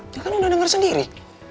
ya kan anda dengar sendiri